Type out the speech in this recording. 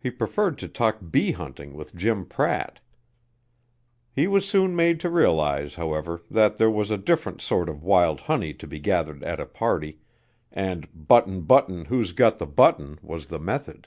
He preferred to talk bee hunting with Jim Pratt. He was soon made to realize, however, that there was a different sort of wild honey to be gathered at a party, and "Button, button, who's got the button?" was the method.